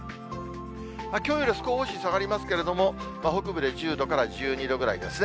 きょうより少し下がりますけれども、北部で１０度から１２度ぐらいですね。